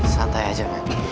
santai aja men